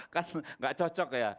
kan gak cocok ya